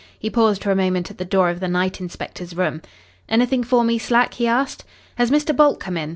He paused for a moment at the door of the night inspector's room. "Anything for me, Slack?" he asked. "Has Mr. Bolt come in?